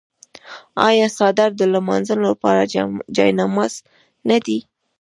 آیا څادر د لمانځه لپاره جای نماز نه دی؟